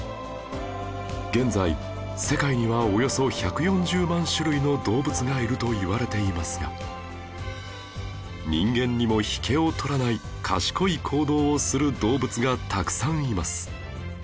現在、世界にはおよそ１４０万種類の動物がいるといわれていますが人間にも引けを取らない賢い行動をする動物がたくさんいます